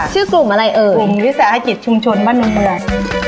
ชื่อกลุ่มอะไรเอ่ยกลุ่มวิสาหกิจชุมชนบ้านนมแปลก